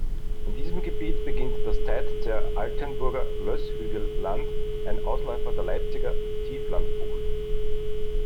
In diesem Gebiet beginnt das "Zeitzer-Altenburger Lösshügelland", ein Ausläufer der Leipziger Tieflandbucht.